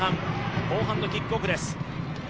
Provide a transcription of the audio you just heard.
後半のキックオフです。